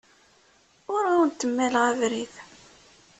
Ur awent-mmaleɣ abrid.